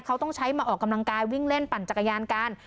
เขาต้องใช้มาออกกำลังกายวิ่งเล่นปั่นจักรยานกัน